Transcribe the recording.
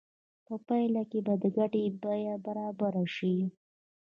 په پایله کې به د ګټې بیه برابره شي